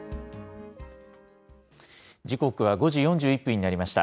時刻は５時４１分になりました。